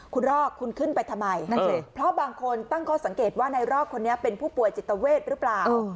คุณรอกคุณขึ้นไปทำไมนั่นสิเพราะบางคนตั้งข้อสังเกตว่านายรอกคนนี้เป็นผู้ป่วยจิตเวทหรือเปล่า